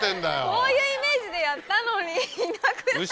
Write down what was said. こういうイメージでやったのにいなくなっちゃった。